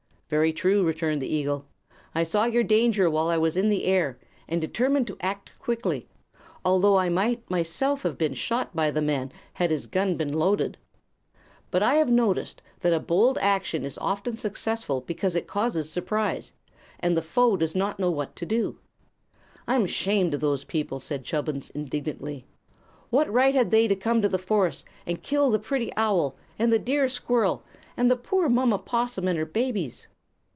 "Very true," returned the eagle. "I saw your danger while I was in the air, and determined to act quickly, although I might myself have been shot by the man had his gun been loaded. But I have noticed that a bold action is often successful because it causes surprise, and the foe does not know what to do." "I'm 'shamed of those people," said Chubbins, indignantly. "What right had they to come to the forest and kill the pretty owl, and the dear little squirrel, and the poor mama 'possum and her babies?"